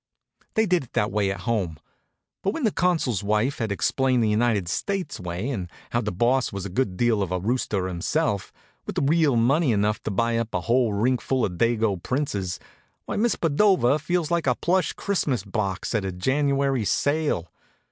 They did it that way at home. But when the Consul's wife had explained the United States way, and how the Boss was a good deal of a rooster himself, with real money enough to buy up a whole rink full of Dago princes, why Miss Padova feels like a plush Christmas box at a January sale.